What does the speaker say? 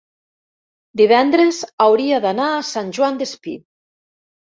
divendres hauria d'anar a Sant Joan Despí.